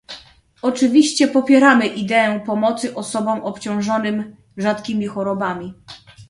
Oczywiście popieramy ideę pomocy osobom obciążonym rzadkimi chorobami